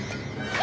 あ！